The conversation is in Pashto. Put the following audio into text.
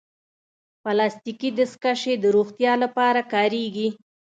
پلاستيکي دستکشې د روغتیا لپاره کارېږي.